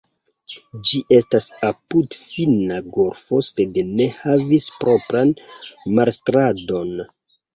Ĝi estas apud Finna golfo sed ne havis propran marstrandon.